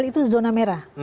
itu zona merah